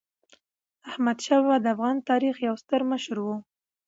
احمدشاه بابا د افغان تاریخ یو ستر مشر و.